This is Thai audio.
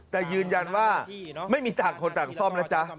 แต่ยืนยันว่าไม่มีต่างคนต่างซ่อมนะจ๊ะ